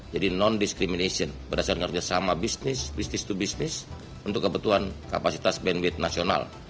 jadi non discrimination berdasarkan kerjasama bisnis business to business untuk kebutuhan kapasitas bandwidth nasional